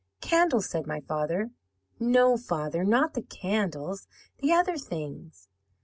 "'Candles,' said my father. "'No, father, not the candles; the other things?'